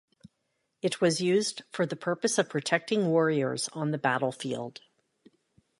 It was used for the purpose of protecting warriors on the battlefield.